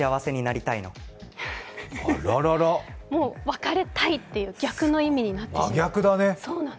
別れたいという逆の意味になってしまう。